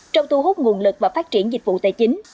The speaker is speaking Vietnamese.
trong thu hút nguồn lực và phát triển dịch vụ tài chính